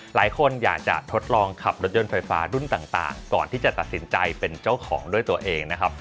หลายคนอยากจะทดลองขับรถยนต์ไฟฟ้ารุ่นต่างก่อนที่จะตัดสินใจเป็นเจ้าของด้วยตัวเองนะครับ